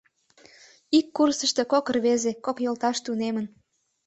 Ик курсышто кок рвезе, кок йолташ, тунемын.